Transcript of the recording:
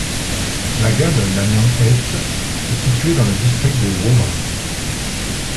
La gare de Nanyang-Est est située dans le district de Wolong.